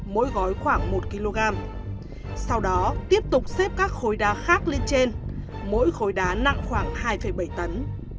mỗi gói khoảng một kg sau đó tiếp tục xếp các khối đá khác lên trên mỗi khối đá nặng khoảng hai bảy tấn